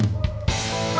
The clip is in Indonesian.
nanti mbak bisa pindah